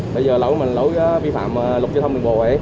bây giờ lỗi mình là lỗi vi phạm luật giao thông đường bộ